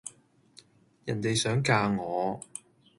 人地想嫁我